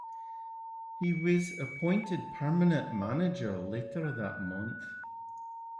He was appointed permanent manager later that month.